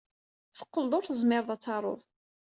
Teqqleḍ ur tezmireḍ ad taruḍ.